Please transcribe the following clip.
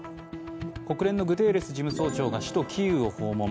国連のグテーレス事務総長が首都キーウを訪問。